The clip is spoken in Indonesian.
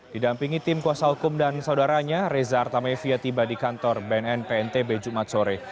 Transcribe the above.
didampingi tim kuasa hukum dan saudaranya reza artamevia tiba di kantor bnnpntb jumat sore